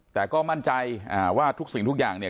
แต่ก็มั่นใจว่าทุกสิ่งทุกอย่างเนี่ย